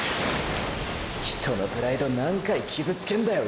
ヒトのプライド何回傷つけんだよ